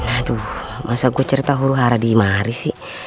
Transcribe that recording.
aduh masa gue cerita huru hara di imari sih